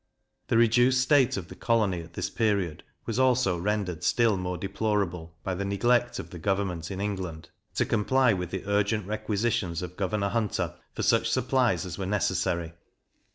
The reduced state of the colony at this period was also rendered still more deplorable, by the neglect of the government in England to comply with the urgent requisitions of Governor Hunter for such supplies as were necessary.